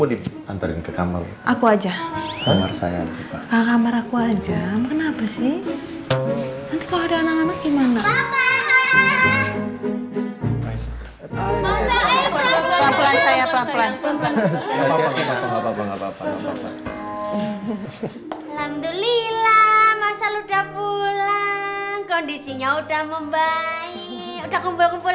udah kembali kembali lagi sama kita lagi ya bu